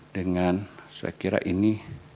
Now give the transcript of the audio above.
dengan saya kira ini